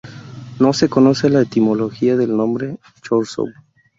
No se conoce la etimología del nombre Chorzów.